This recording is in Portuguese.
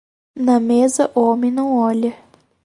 Na mesa, o homem não olha.